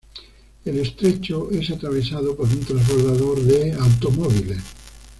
El estrecho es atravesado por un transbordador de automóviles.